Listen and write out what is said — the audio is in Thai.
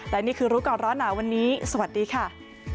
และนี่คือรู้ก่อนร้อนหนาวันนี้สวัสดีค่ะ